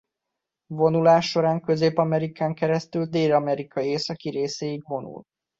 Vonulás során Közép-Amerikán keresztül Dél-Amerika északi részéig vonul.